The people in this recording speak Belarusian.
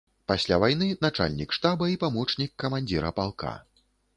Пасля вайны начальнік штаба і памочнік камандзіра палка.